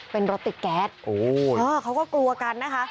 เป็นรถติดแก๊สเขาก็กลัวกันนะคะ